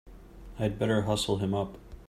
I'd better hustle him up!